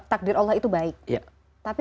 takdir allah itu baik tapi